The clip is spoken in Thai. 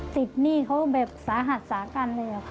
หนี้เขาแบบสาหัสสากันเลยค่ะ